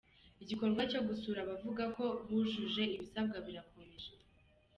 Igikorwa cyo gusura abavuga ko bujuje ibisabwa kirakomeje.